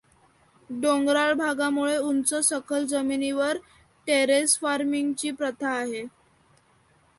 डोंगराळ भागामुळे उंच सखल जमिनीवर टेरेस फार्मिंगची प्रथा आहे.